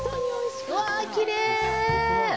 うわ、きれい。